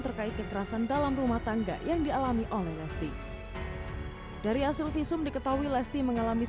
terkait kekerasan dalam rumah tangga yang dialami oleh lesti dari hasil visum diketahui lesti mengalami